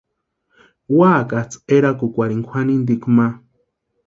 Úakatsʼï erakukwarhini kwʼanintikwa.